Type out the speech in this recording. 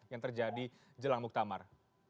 yang terjadi jalan muktamar